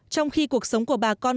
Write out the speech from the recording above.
trong khi cuộc sống của bà con